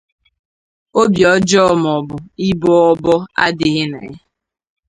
obi ọjọọ maọbụ ịbọ ọbọ adịghị na ya.